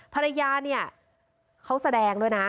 ภรรยาเนี่ยเขาแสดงด้วยนะ